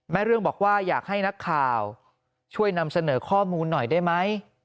เรื่องบอกว่าอยากให้นักข่าวช่วยนำเสนอข้อมูลหน่อยได้ไหม